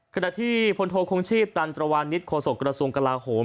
ขณะที่พทนนิตโฮสกรมกราศวงศ์กราโหม